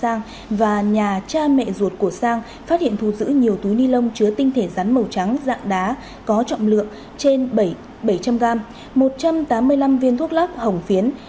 giang và nhà cha mẹ ruột của sang phát hiện thu giữ nhiều túi ni lông chứa tinh thể rắn màu trắng dạng đá có trọng lượng trên bảy trăm linh gram một trăm tám mươi năm viên thuốc lắc hồng phiến